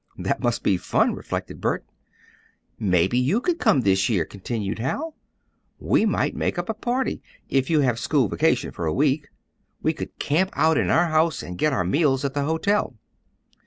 "That must be fun," reflected Bert. "Maybe you could come this year," continued Hal. "We might make up a party, if you have school vacation for a week. We could camp out in our house, and get our meals at the hotel."